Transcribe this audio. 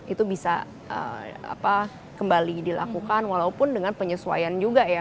itu bisa kembali dilakukan walaupun dengan penyesuaian juga ya